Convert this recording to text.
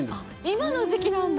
今の時期なんだ？